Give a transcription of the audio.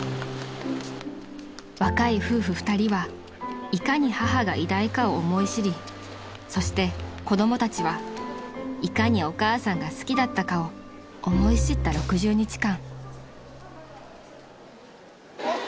［若い夫婦二人はいかに母が偉大かを思い知りそして子供たちはいかにお母さんが好きだったかを思い知った６０日間］